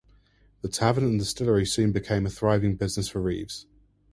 The tavern and distillery soon became a thriving business for Reeves.